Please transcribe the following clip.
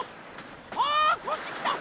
あこしきた！